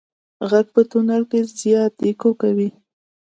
غږ په تونل کې زیات اکو کوي.